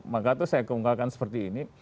maka itu saya keunggahkan seperti ini